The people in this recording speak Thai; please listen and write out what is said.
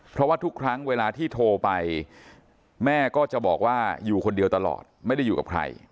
เพราะว่าทุกครั้งเวลาที่โทรไปแม่ก็จะบอกว่าอยู่คนเดียวตลอดไม่ได้อยู่กับใคร